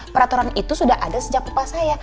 peraturan itu sudah ada sejak upah saya